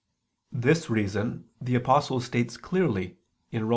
This reason the Apostle states clearly (Rom.